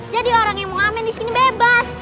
jadi orang yang mau ngamen disini bebas